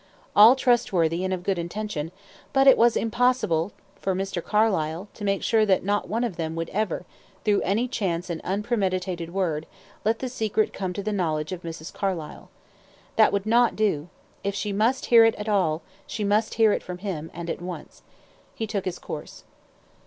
All trustworthy and of good intention; but it was impossible for Mr. Carlyle to make sure that not one of them would ever, through any chance and unpremeditated word, let the secret come to the knowledge of Mrs. Carlyle. That would not do, if she must hear it at all, she must hear it from him, and at once. He took his course.